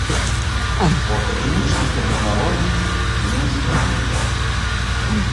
У акадэмічнай тэрміналогіі не існуе.